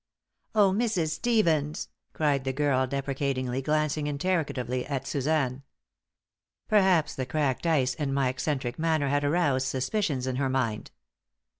"Oh, Mrs. Stevens!" cried the girl, deprecatingly, glancing interrogatively at Suzanne. Perhaps the cracked ice and my eccentric manner had aroused suspicions in her mind.